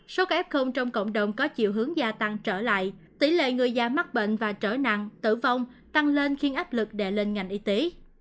số ca ép không trong cộng đồng có chiều hướng gia tăng trở lại tỷ lệ người già mắc bệnh và trở nặng tử vong tăng lên khiến áp lực đệ lên ngành y tế